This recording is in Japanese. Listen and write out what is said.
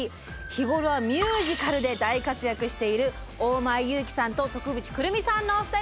日頃はミュージカルで大活躍している大前優樹さんと徳渕来美さんのお二人です。